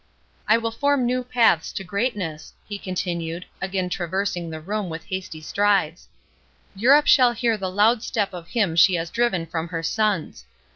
—I will form new paths to greatness," he continued, again traversing the room with hasty strides—"Europe shall hear the loud step of him she has driven from her sons!